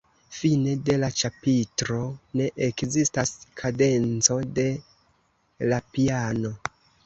Fine de la ĉapitro ne ekzistas kadenco de la piano.